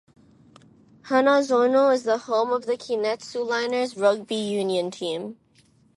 Hanazono is the home of the Kintetsu Liners rugby union team.